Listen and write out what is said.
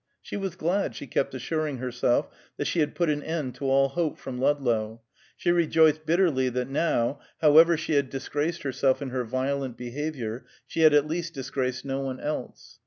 She was glad, she kept assuring herself, that she had put an end to all hope from Ludlow; she rejoiced bitterly that now, however she had disgraced herself in her violent behavior, she had at least disgraced no one else.